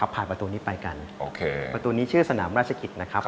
ผ่านประตูนี้ไปกันประตูนี้ชื่อสนามราชกิจนะครับ